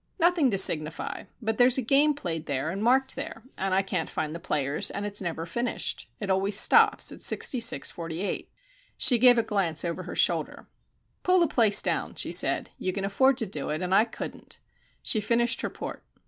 "Nothing to signify. But there's a game played there and marked there and I can't find the players, and it's never finished. It stops always at sixty six forty eight." She gave a glance over her shoulder. "Pull the place down," she said. "You can afford to do it, and I couldn't." She finished her port.